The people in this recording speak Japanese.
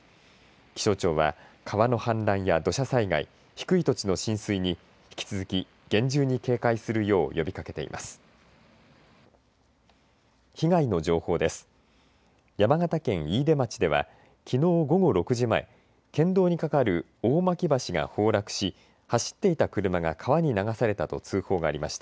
気象庁は川の氾濫や土砂災害、低い土地の浸水に引き続き厳重に警戒するよう呼びかけています。